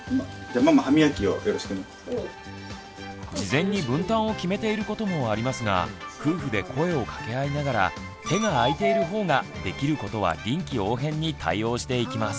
事前に分担を決めていることもありますが夫婦で声を掛け合いながら手が空いている方ができることは臨機応変に対応していきます。